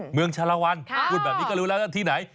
เมืองชาลวันพูดแบบนี้ก็รู้แล้วนะที่ไหน